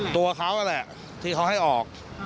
ตัวเขานั่นแหละที่เขาให้ออก